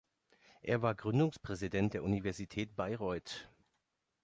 Er war Gründungspräsident der Universität Bayreuth.